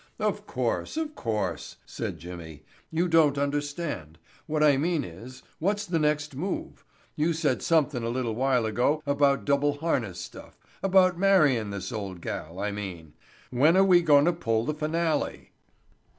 "Of course, of course," said Jimmy. "You don't understand. What I mean is—what's the next move? You said somethin' a little while ago about the double harness stuff—about marryin' this old gal, I mean. When are we goin' to pull the finale?"